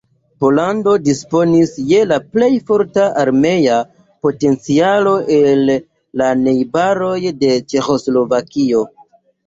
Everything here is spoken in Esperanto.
Pollando disponis je la plej forta armea potencialo el la najbaroj de Ĉeĥoslovakio.